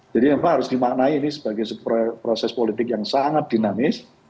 jadi yang harus dimaknai ini sebagai proses politik yang sangat dinamis